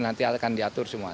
nanti akan diatur semua